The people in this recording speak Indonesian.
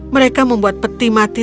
mereka membuat peti mati